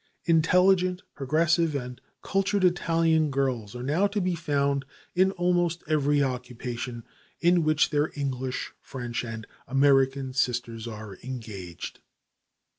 Intelligent, progressive and cultured Italian girls are now to be found in almost every occupation in which their English, French and American sisters are engaged.